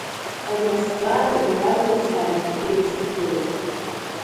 Ари азҵаара иаразнак сааимнадеит сахьгылаз.